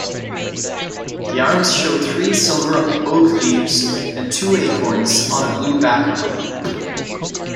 The arms show three silver oak leaves and two acorns on a blue background.